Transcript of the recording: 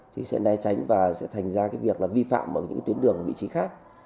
thì sẽ né tránh và sẽ thành ra cái việc là vi phạm ở những tuyến đường vị trí khác